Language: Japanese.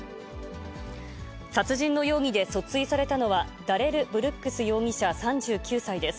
殺人の容疑で訴追されたのは、ダレル・ブルックス容疑者３９歳です。